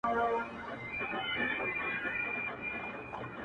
تا څه کوئ اختر د بې اخترو په وطن کي ـ